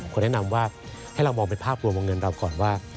ขอแนะนำว่าให้เรามองเป็นภาพรวมวงเงินเราก่อนว่า